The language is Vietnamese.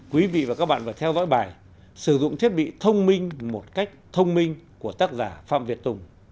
quý vị và các bạn vừa theo dõi bài sử dụng thiết bị thông minh một cách thông minh của tác giả phạm việt tùng